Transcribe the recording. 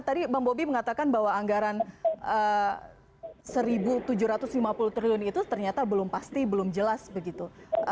tadi bang bobi mengatakan bahwa anggaran rp satu tujuh ratus lima puluh triliun itu ternyata belum pasti belum jelas begitu